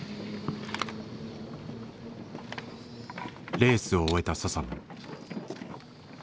レースを終えた佐々野。